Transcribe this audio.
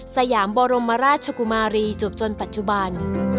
สยามบรมราชกุมารีจวบจนปัจจุบัน